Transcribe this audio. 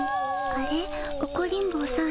あれオコリン坊さん